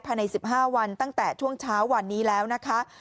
ภายใน๑๕วันตั้งแต่ช่วงเช้าวันนี้แล้วนะคะ